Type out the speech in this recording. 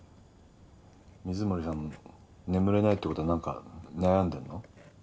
水森さん眠れないって事はなんか悩んでるの？